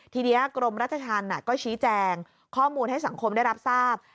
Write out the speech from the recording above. ทีนี้กรมราชธรรมก็ชี้แจงข้อมูลให้สังคมได้รับทราบ